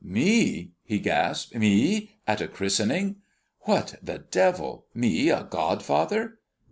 "Me!" he gasped, "me! at a christening! What the devil me a godfather!